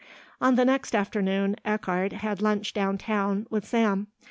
On the next afternoon Eckardt had lunch down town with Sam.